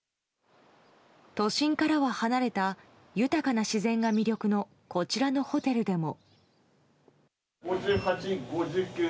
都心からは離れた豊かな自然が魅力のこちらのホテルでも。